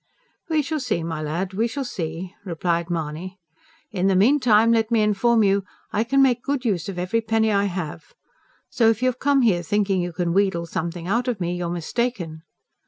"We shall see, my lad, we shall see!" replied Mahony. "In the meantime, let me inform you, I can make good use of every penny I have. So if you've come here thinking you can wheedle something out of me, you're mistaken."